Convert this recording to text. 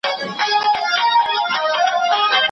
د بېدیا اغزیو راوړم ستا د سیند تر غاړي تږی